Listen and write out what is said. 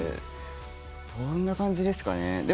どんな感じですかね。